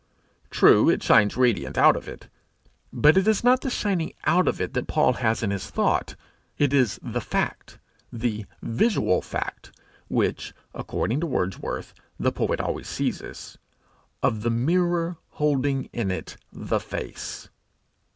True, it shines radiant out of it, but it is not the shining out of it that Paul has in his thought; it is the fact the visual fact, which, according to Wordsworth, the poet always seizes of the mirror holding in it the face.